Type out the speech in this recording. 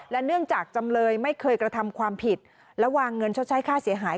เนื่องจากจำเลยไม่เคยกระทำความผิดและวางเงินชดใช้ค่าเสียหาย